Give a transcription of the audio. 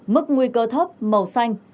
mức nguy cơ thấp màu xanh